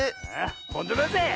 ほんとだぜ！